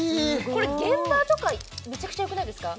これ現場とかめちゃくちゃよくないですか？